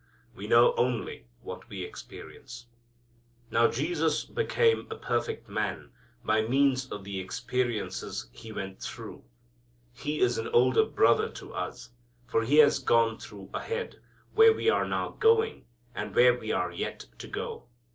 We know only what we experience. Now Jesus became a perfect man by means of the experiences He went through. He is an older Brother to us, for He has gone through ahead where we are now going, and where we are yet to go.